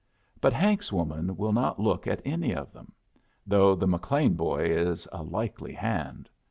But Hank's woman will not look at any of them, though the McLean boy is a likely hand.